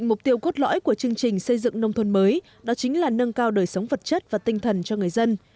mục tiêu cốt lõi của chương trình xây dựng nông thôn mới đó chính là nâng cao đời sống vật chất và tinh thần cho người dân